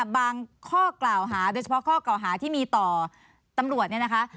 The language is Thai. บางข้อกล่าวหาโดยเฉพาะข้อกล่าวหาที่มีต่อตำรวจ